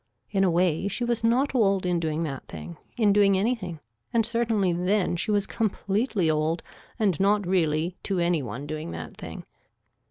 In a way she was not old in doing that thing, in doing anything and certainly then she was completely old and not really to any one doing that thing.